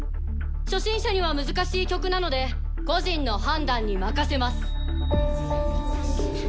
初心者には難しい曲なので個人の判断に任せます。